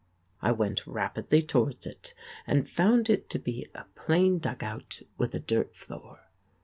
I went rapidly towards it and found it to be a plain dugout with a dirt floor.